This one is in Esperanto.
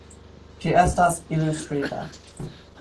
Ĝi estas ilustrita.